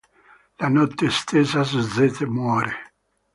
La notte stessa Suzette muore.